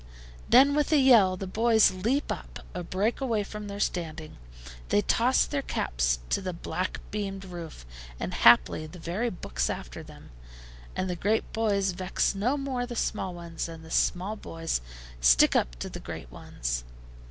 Then, with a yell, the boys leap up, or break away from their standing; they toss their caps to the black beamed roof, and haply the very books after them; and the great boys vex no more the small ones, and the small boys stick up to the great ones.